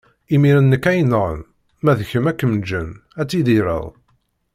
Imiren nekk ad yi-nɣen, ma d kemm ad kem-ǧǧen, ad tidireḍ.